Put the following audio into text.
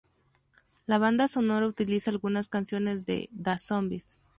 La banda sonora utiliza algunas canciones de The Zombies.